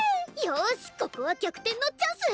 よしここは逆転のチャンス！